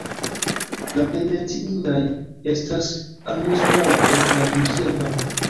La plej menciindaj estas amuzparko kaj industria parko.